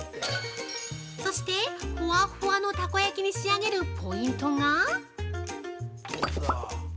そして、フワフワのたこ焼きに仕上げるポイントが◆